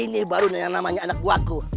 ini baru yang namanya anak buahku